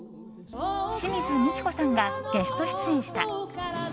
清水ミチコさんがゲスト出演した。